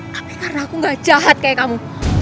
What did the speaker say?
tapi karena aku gak jahat kayak kamu